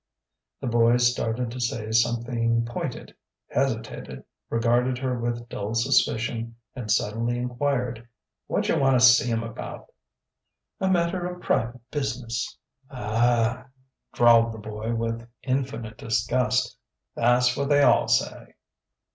The boy started to say something pointed, hesitated, regarded her with dull suspicion, and suddenly enquired: "Whaja wanna see 'm 'bout?" "A matter of private business." "Ah," drawled the boy with infinite disgust, "tha's what they all say!"